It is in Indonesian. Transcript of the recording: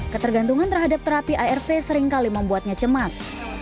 ketergantungan terhadap terapi arv seringkali membuatnya cemas